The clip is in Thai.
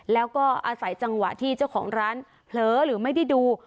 แล้วก็อาศัยจังหวะที่เจ้าของร้านเผลอหรือไม่ได้ดู